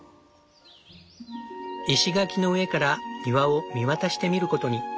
石垣の上から庭を見渡してみることに。